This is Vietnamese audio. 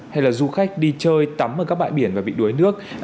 hay là du khách đi chơi tắm ở các bãi biển và bị đuối nước